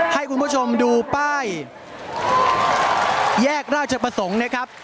ให้คุณผู้ชมดูป้ายแยกราชประสงค์นะครับ